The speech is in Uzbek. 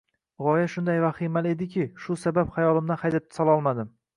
G`oya shunday vahimali ediki, shu sabab xayolimdan haydab sololmadim